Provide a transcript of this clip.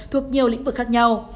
thuộc nhiều lĩnh vực khác nhau